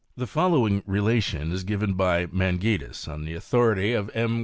The following relation is given by Mangetus, on the authority of M.